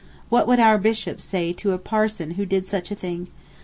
What would our bishops say to a parson who did such a thing?